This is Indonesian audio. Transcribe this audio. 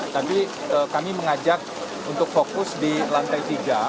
tapi kami mengajak untuk fokus di lantai tiga